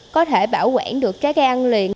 có thể bảo quản được trái cây ăn liền